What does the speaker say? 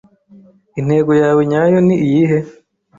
Intego yawe nyayo ni iyihe?